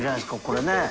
これね。